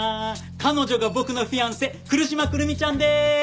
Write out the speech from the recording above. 彼女が僕のフィアンセ来島くるみちゃんでーす！